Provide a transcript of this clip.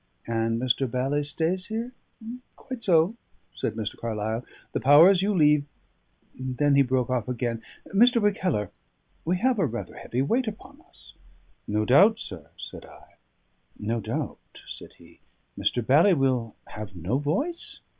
"And Mr. Bally stays here? Quite so," said Mr. Carlyle. "The powers you leave " Then he broke off again. "Mr. Mackellar, we have a rather heavy weight upon us." "No doubt, sir," said I. "No doubt," said he. "Mr. Bally will have no voice?"